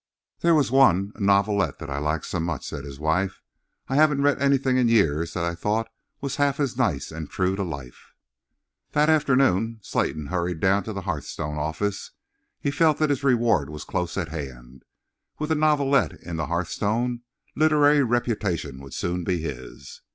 "There was one—a novelette, that I liked so much," said his wife. "I haven't read anything in years that I thought was half as nice and true to life." That afternoon Slayton hurried down to the Hearthstone office. He felt that his reward was close at hand. With a novelette in the Hearthstone, literary reputation would soon be his.